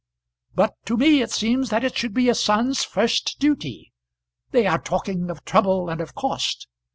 "But to me it seems that it should be a son's first duty. They are talking of trouble and of cost.